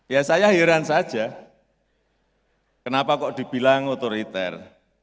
ya saya heran saja kenapa kok dibilang otoriter